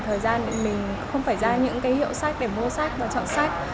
thời gian để mình không phải ra những cái hiệu sách để mua sách và chọn sách